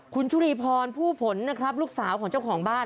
คุณชุรีพรผู้ผลนะครับลูกสาวของเจ้าของบ้าน